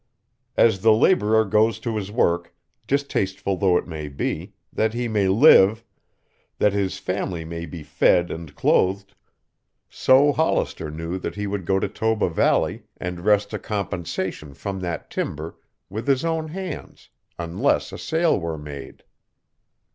As the laborer goes to his work, distasteful though it may be, that he may live, that his family may be fed and clothed, so Hollister knew that he would go to Toba Valley and wrest a compensation from that timber with his own hands unless a sale were made.